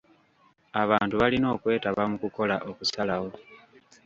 Abantu balina okwetaba mu kukola okusalawo.